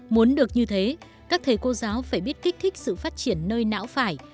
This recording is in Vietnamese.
muốn được như thế các thầy cô giáo phải biết kích thích sự phát triển nơi não phải